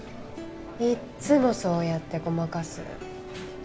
いっつもそうやってごまかす。